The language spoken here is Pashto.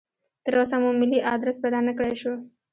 تراوسه مو ملي ادرس پیدا نکړای شو.